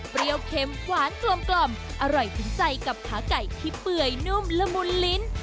เค็มหวานกลมอร่อยถึงใจกับขาไก่ที่เปื่อยนุ่มละมุนลิ้น